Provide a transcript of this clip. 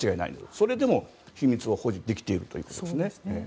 それでも秘密を固持できているということです。